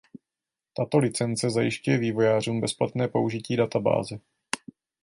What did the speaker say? Tato licence zajišťuje vývojářům bezplatné použití databáze.